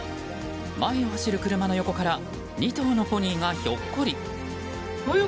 前を走る車の横から２頭のポニーがひょっこり。